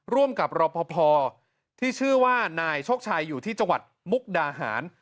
ร่วมกับรอปภที่ชื่อว่านายโชคชัยอยู่ที่จังหวัดมุกดาหาร